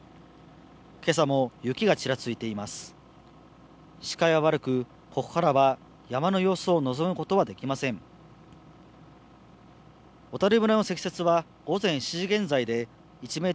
けさも雪がちらついています。